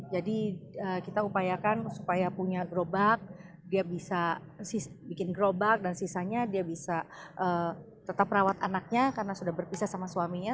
jadi kita upayakan supaya punya gerobak dia bisa bikin gerobak dan sisanya dia bisa tetap rawat anaknya karena sudah berpisah sama suaminya